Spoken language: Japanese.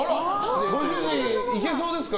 ご主人、いけそうですか？